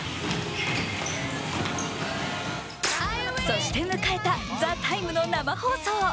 そして迎えた「ＴＨＥＴＩＭＥ’」の生放送。